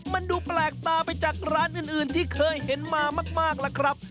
มันดูแปลกตาไปจากร้านอื่นที่เคยเห็นมามากล่ะครับ